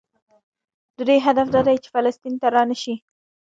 د دوی هدف دا دی چې فلسطین ته رانشي.